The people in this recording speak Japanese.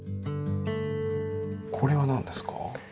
これは何ですか？